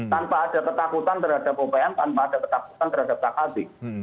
tanpa ada ketakutan terhadap opm tanpa ada ketakutan terhadap hak asasi